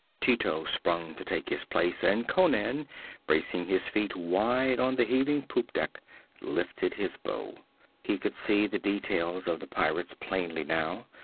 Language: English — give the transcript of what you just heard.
Tito sprang to take his place, and Conan, bracing his feet wide on the heaving poop deck, lifted his bow. He could see the details of the pirate plainly now.